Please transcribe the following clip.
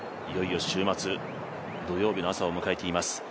いよいよ週末、土曜日の朝を迎えています。